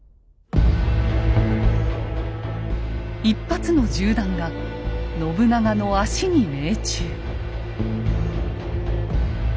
一発の銃弾が信長の足に命中。